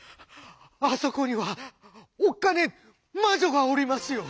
「あそこにはおっかねえまじょがおりますよ。